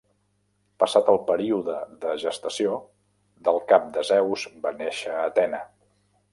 Passat el període de gestació, del cap de Zeus va néixer Atena.